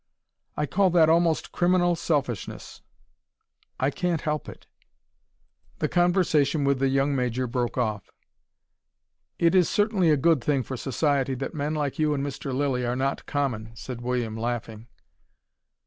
"I call that almost criminal selfishness." "I can't help it." The conversation with the young Major broke off. "It is certainly a good thing for society that men like you and Mr. Lilly are not common," said Sir William, laughing.